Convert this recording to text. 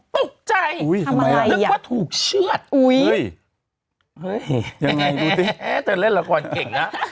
ตกใจเรียกว่าถูกเชื่อดโอ้ยยังไงดูสิแต่เล่นละครเก่งนะ